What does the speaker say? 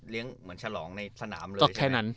เลี้ยงเหมือนฉลองในสนามเลยใช่ไหม